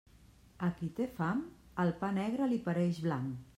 A qui té fam, el pa negre li pareix blanc.